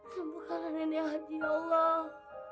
sembukalah nini hati allah